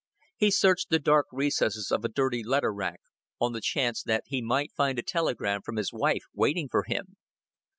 He searched the dark recesses of a dirty letter rack, on the chance that he might find a telegram from his wife waiting for him.